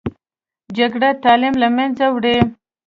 جګړه تعلیم له منځه وړي